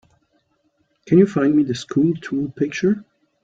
Can you find me the SchoolTool picture?